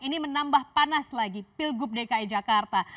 ini menambah panas lagi pilgub dki jakarta